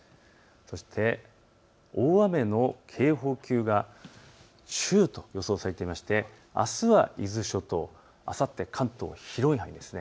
そして大雨の警報級が中と予想されていましてあすは伊豆諸島、あさって関東、広い範囲です。